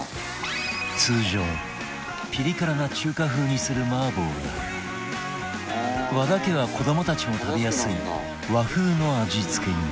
通常ピリ辛な中華風にする麻婆だが和田家は子どもたちも食べやすい和風の味付けに